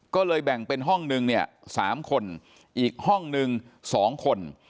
ก็เลยแบ่งเป็นห้องนึงเนี่ย๓คนอีกห้องนึง๒คน